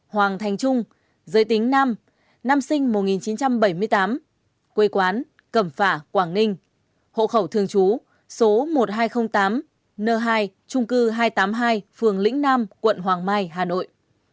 hoàng thành trung giới tính nam nam sinh năm một nghìn chín trăm bảy mươi tám quê quán cẩm phả quảng ninh hộ khẩu thường chú số một nghìn hai trăm linh tám n hai trung cư hai trăm tám mươi hai phường lĩnh nam quận hoàng mai hà nội